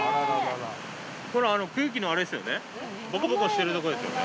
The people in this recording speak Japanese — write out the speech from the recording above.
これ空気のあれですよねボコボコしてるとこですよね。